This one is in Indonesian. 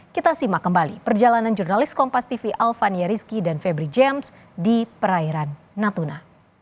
kita simak kembali perjalanan jurnalis kompas tv alvania rizky dan febri james di perairan natuna